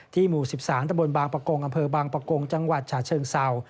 หมู่๑๓ตะบนบางประกงอำเภอบางประกงจังหวัดฉะเชิงเศร้า